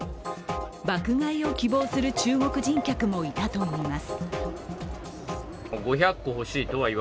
爆買いを希望する中国人客もいたといいます。